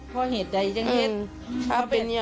เพราะเห็ดใดยังเห็ด